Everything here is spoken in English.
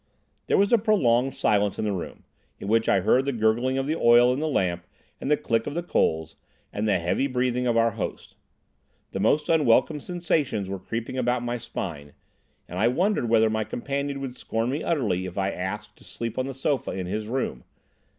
There was a prolonged silence in the room, in which I heard the gurgling of the oil in the lamp and the click of the coals and the heavy breathing of our host. The most unwelcome sensations were creeping about my spine, and I wondered whether my companion would scorn me utterly if I asked to sleep on the sofa in his room.